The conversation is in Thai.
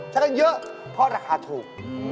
ใช้กันเยอะเพราะราคาถูก